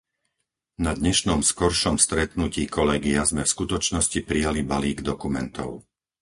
Na dnešnom skoršom stretnutí kolégia sme v skutočnosti prijali balík dokumentov.